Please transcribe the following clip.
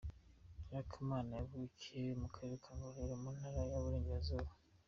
Nyirakamana yavukiye mu Karere ka Ngororero mu ntara y’Uburengerazuba.